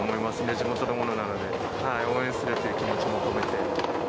地元のものなので、応援するっていう気持ちも込めて。